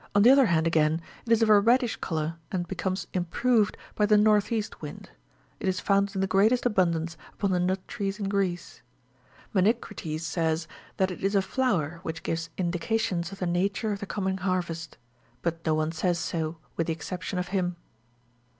On the other hand, again, it is of a reddish colour and becomes improved by the north east wind ; it is found in the greatest abundance upon the nut trees in Greece. Menecrates says, that it is a flower, which gives indications of the nature of the coming harvest ; but no one says so, with the exception of him.